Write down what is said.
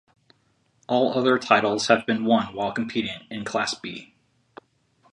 All other titles have been won while competing in Class B.